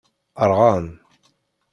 Rɣan.